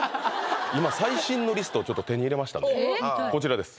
今最新のリストをちょっと手に入れましたのでこちらです